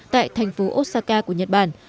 tại thành phố osaka của nhật bản